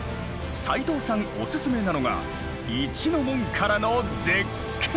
齋藤さんおすすめなのが一の門からの絶景！